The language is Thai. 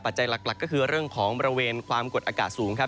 หลักก็คือเรื่องของบริเวณความกดอากาศสูงครับ